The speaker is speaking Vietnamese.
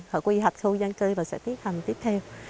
họ quy hạch khu giang cư là sẽ tiến hành tiếp theo